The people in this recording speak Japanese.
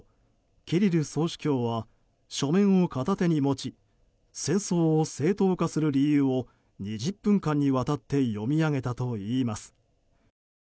キリル総主教は書面を片手に持ち戦争を正当化する理由を２０分間にわたって読み上げたといいます。